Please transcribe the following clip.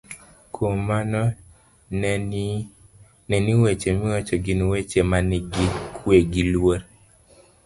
Kuom mano, ne ni weche miwacho gin weche manigi kwe gi luor,